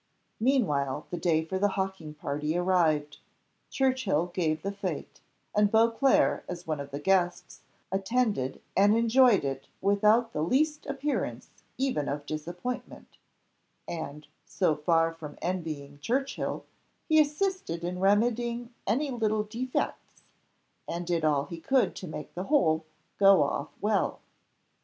Meanwhile the day for the hawking party arrived. Churchill gave the fete, and Beauclerc, as one of the guests, attended and enjoyed it without the least appearance even of disappointment; and, so far from envying Churchill, he assisted in remedying any little defects, and did all he could to make the whole go off well.